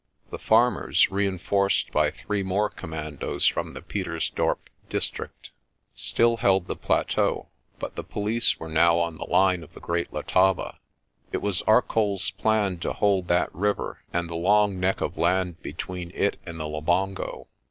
The farmers, reinforced by three more commandoes from the Pietersdorp district, still held the plateau but the police were now on the line of the Great Letaba. It was ArcolPs plan to hold that river and the long neck of land between it and the Labongo.